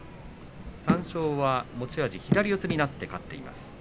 ３勝は持ち味、左四つになって勝っています。